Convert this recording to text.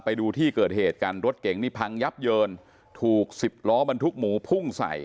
ไปดูที่เกิดเหตุกันรถเก่งนี่พังยับเยินถูกสิบล้อบรรทุกหมูพุ่งใส่